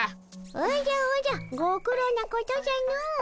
おじゃおじゃご苦労なことじゃの。